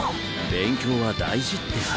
勉強は大事って話。